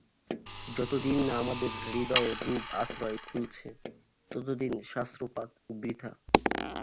যতদিন না আমাদের হৃদয়-রূপ আশ্রয় খুলছে, ততদিন শাস্ত্রপাঠ বৃথা।